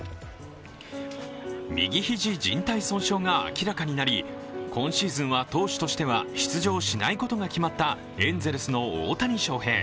右肘じん帯損傷が明らかになり今シーズンは投手としては出場しないことが決まったエンゼルスの大谷翔平。